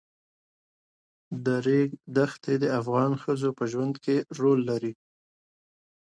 د ریګ دښتې د افغان ښځو په ژوند کې رول لري.